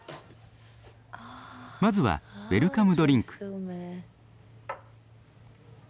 まずはウェルカムドリンク。